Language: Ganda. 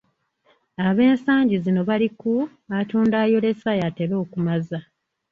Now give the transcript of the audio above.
Ab'ensangi zino bali ku, "Atunda ayolesa yatera okumaza".